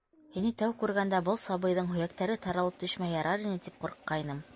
- Һине тәү күргәндә, был сабыйҙың һөйәктәре таралып төшмәһә ярар ине, тип ҡурҡҡайным.